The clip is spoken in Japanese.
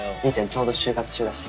ちょうど就活中だし。